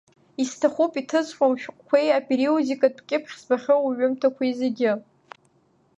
Исҭахуп иҭыҵхьоу ушәҟәқәеи апериодикатә кьыԥхь збахьоу уҩымҭақәеи зегьы.